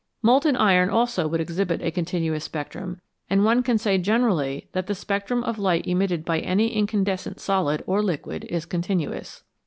Molten iron also would exhibit a continuous spectrum, and one can say generally that the spectrum of the light emitted by any incandescent solid or liquid is continuous.